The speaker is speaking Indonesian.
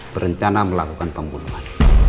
berencana melakukan pembunuhan